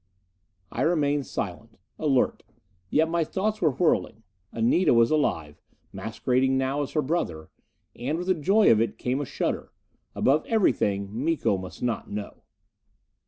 I remained silent. Alert. Yet my thoughts were whirling. Anita was alive. Masquerading now as her brother. And, with the joy of it, came a shudder. Above everything, Miko must not know.